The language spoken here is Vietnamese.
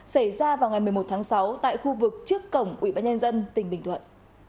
xảy ra vào ngày một mươi một tháng sáu tại khu vực trước cổng ủy ban nhân dân tỉnh bình thuận